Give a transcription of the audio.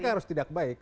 mereka harus tidak baik